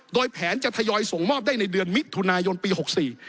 โดยแผนจะทยอยส่งมอบได้ในเดือนมิถุนายนปีหกสี่